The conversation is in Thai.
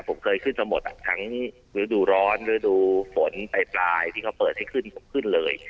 ผมเคยขึ้นมาหมดทั้งฤดูร้อนฤดูฝนปลายที่เขาเปิดให้ขึ้นผมขึ้นเลย